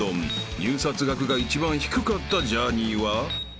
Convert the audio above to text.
［入札額が一番低かったジャーニーは？］